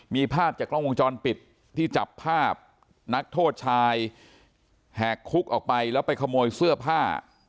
มีภาพจากกล้องวงจรปิดที่จับภาพนักโทษชายแหกคุกออกไปแล้วไปขโมยเสื้อผ้า